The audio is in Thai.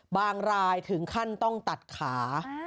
บางรายถึงขั้นต้องตัดขา